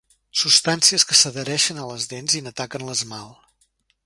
Substàncies que s'adhereixen a les dents i n'ataquen l'esmalt.